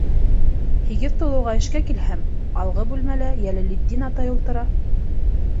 Һигеҙ тулыуға эшкә килһәм, алғы бүлмәлә Йәләлетдин атай ултыра.